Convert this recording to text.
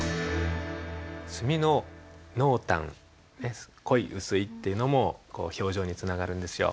墨の濃淡濃い薄いっていうのも表情につながるんですよ。